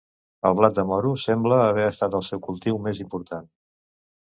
El blat de moro sembla haver estat el seu cultiu més important.